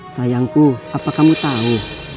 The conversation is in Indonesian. sayangku apa kamu tahu